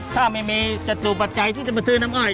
ถ้าไม่มีจตุปัจจัยที่จะมาซื้อน้ำอ้อย